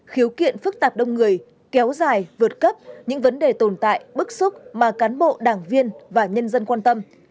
khiếu kiện phức tạp đông người kéo dài vượt cấp những vấn đề tồn tại bức xúc mà cán bộ đảng viên và nhân dân quan tâm